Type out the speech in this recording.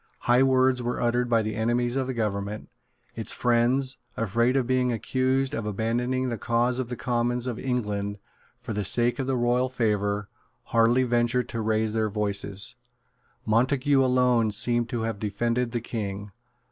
High words were uttered by the enemies of the government. Its friends, afraid of being accused of abandoning the cause of the Commons of England for the sake of royal favour, hardly ventured to raise their voices. Montague alone seems to have defended the King.